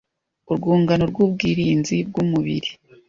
urwungano rw’ubwirinzi bw’umubiri,